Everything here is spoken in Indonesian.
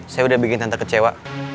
saya udah bikin tentar kecewa